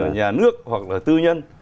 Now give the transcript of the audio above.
nhà nước hoặc là tư nhân